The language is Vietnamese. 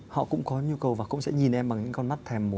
họ cũng có nhu cầu và cũng sẽ nhìn em bằng những con mắt thèm mùa